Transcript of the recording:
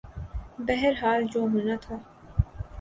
بہرحال جو ہونا تھا۔